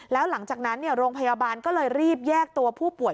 แล้วหลังจากนั้นโรงพยาบาลก็เลยรีบแยกตัวผู้ป่วย